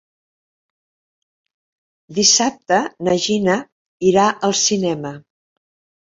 Dissabte na Gina irà al cinema.